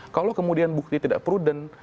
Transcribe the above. kalau kemudian bukti tidak prudent